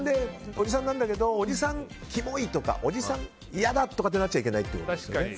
おじさんなんだけどおじさん、キモいとかおじさん、嫌だとかってなっちゃいけないということですね。